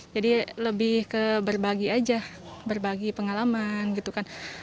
jadi lebih ke berbagi aja berbagi pengalaman gitu kan